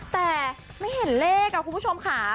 แต่ไม่เห็นเลขคุณผู้ชมค่ะ